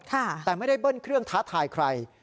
แต่ไม่ได้เบิ้ลเครื่องท้าทายใคร